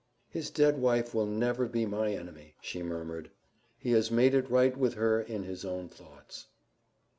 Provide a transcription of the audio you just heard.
"His dead wife will never be my enemy," she murmured. "He has made it right with her in his own thoughts."